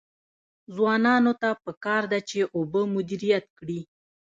ځوانانو ته پکار ده چې، اوبه مدیریت کړي.